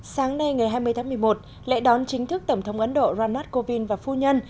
sáng nay ngày hai mươi tháng một mươi một lễ đón chính thức tổng thống ấn độ ranath kovind và phu nhân